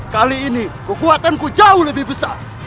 kali ini kekuatanku jauh lebih besar